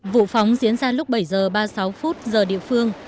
vụ phóng diễn ra lúc bảy h ba mươi sáu phút giờ địa phương